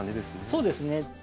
そうですね。